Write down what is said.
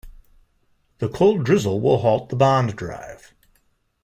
The cold drizzle will halt the bond drive.